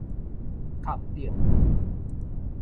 崁頂